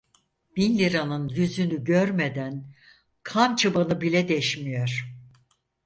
Bin liranın yüzünü görmeden kan çıbanı bile deşmiyor.